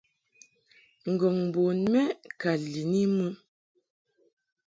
Ngɔŋ bun mɛʼ ka lin I mɨ.